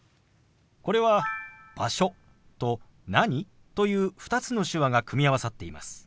これは「場所」と「何？」という２つの手話が組み合わさっています。